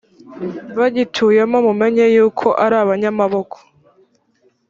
bagituyemo mumenye yuko ari abanyamaboko